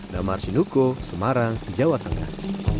nama arsinoe ko semarang jawa tengah